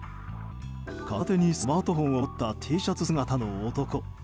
片手にスマートフォンを持ったＴシャツ姿の男。